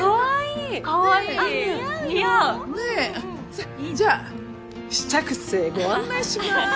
さっじゃあ試着室へご案内します。